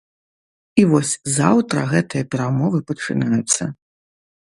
І вось заўтра гэтыя перамовы пачынаюцца.